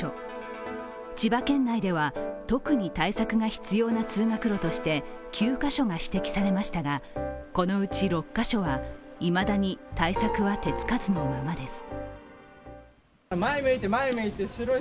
千葉県内では特に対策が必要な通学路として９カ所が指摘されましたが、このうち６カ所はいまだに、対策は手つかずのままです。